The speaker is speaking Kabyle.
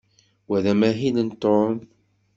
Wa d amahil n Tom.